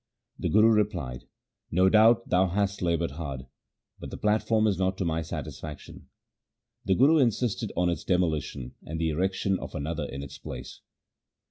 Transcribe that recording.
The Guru replied, ' No doubt thou hast laboured hard, but the platform is not to my satisfaction.' The Guru insisted on its demolition and the erection of another in its place.